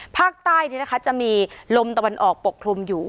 ภาคใต้เนี่ยนะคะจะมีลมตะวันออกปกพรุมอยู่